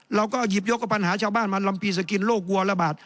เราก็หยิบยกกับปัญหาชาวบ้านมาลำปีสกินโรควัวระบาด